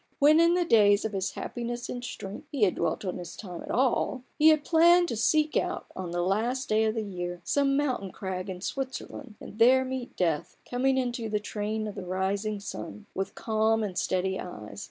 When in the days of his happiness and strength, he 46 A BOOK OF BARGAINS. had dwelt on this time at all, he had planned to seek out, on the last day of the year, some mountain crag in Switzerland, and there meet death, coming in the train of the rising sun, with calm and steady eyes.